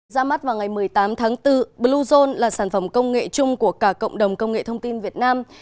ra mắt vào ngày một mươi tám tháng bốn bluezone là sản phẩm công nghệ chung của cả cộng đồng công nghệ thông tin việt nam